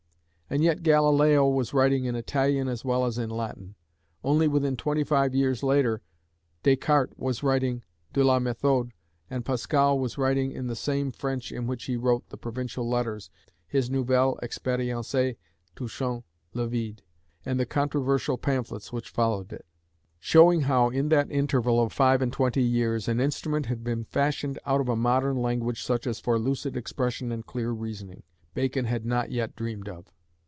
And yet Galileo was writing in Italian as well as in Latin; only within twenty five years later, Descartes was writing De la Méthode, and Pascal was writing in the same French in which he wrote the Provincial Letters, his Nouvelles Expériences touchant le Vide, and the controversial pamphlets which followed it; showing how in that interval of five and twenty years an instrument had been fashioned out of a modern language such as for lucid expression and clear reasoning, Bacon had not yet dreamed of.